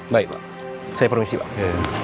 baik pak saya permisi pak